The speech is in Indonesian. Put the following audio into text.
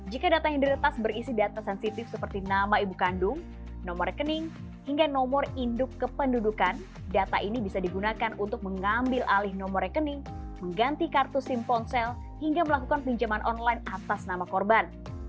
jika data yang diretas berisi data sensitif seperti nama ibu kandung nomor rekening hingga nomor induk kependudukan data ini bisa digunakan untuk mengambil alih nomor rekening mengganti kartu sim ponsel hingga melakukan pinjaman online atas nama korban